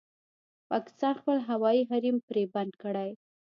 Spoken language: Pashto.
پاکستان خپل هوايي حريم پرې بند کړی